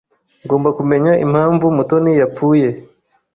Ngomba kumenya impamvu Mutoni yapfuye.